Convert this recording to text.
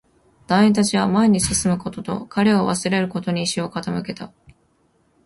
隊員達は前に進むことと、彼を忘れることに意志を傾けた